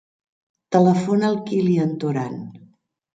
Telefona al Kylian Toran.